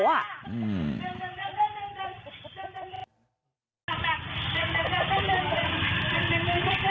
เดินเดิน